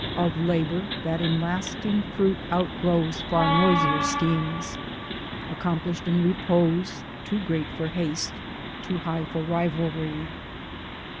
Of labor that in lasting fruit outgrows Far noisier schemes, accomplished in repose, Too great for haste, too high for rivalry.